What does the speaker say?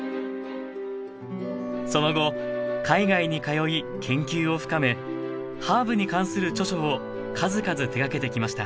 その後海外に通い研究を深めハーブに関する著書を数々手がけてきました